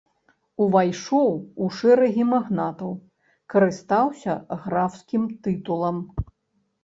Увайшоў у шэрагі магнатаў, карыстаўся графскім тытулам.